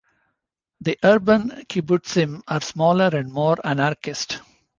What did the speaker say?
The urban kibbutzim are smaller and more anarchist.